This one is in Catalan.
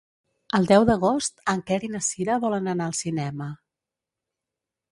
El deu d'agost en Quer i na Cira volen anar al cinema.